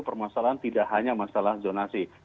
permasalahan tidak hanya masalah zonasi